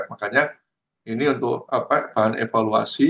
makanya ini untuk bahan evaluasi